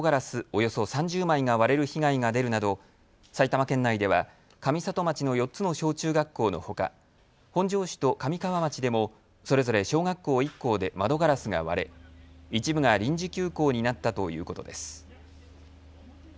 およそ３０枚が割れる被害が出るなど埼玉県内では上里町の４つの小中学校のほか本庄市と神川町でもそれぞれ小学校１校で窓ガラスが割れ一部が臨時休校になったということです。